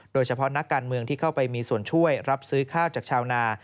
โดยเฉพาะนักการเมืองที่เข้าไปมีส่วนช่วยรับซื้อข้าวจากชาวนา